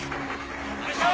よいしょ！